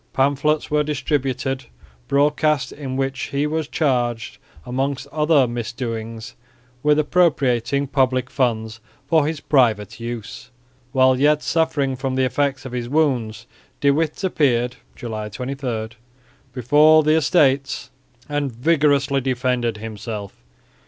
Pamphlets were distributed broadcast in which he was charged amongst other misdoings with appropriating public funds for his private use. While yet suffering from the effects of his wounds De Witt appeared (July 23) before the Estates and vigorously defended himself.